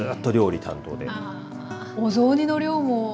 お雑煮の量もねえ。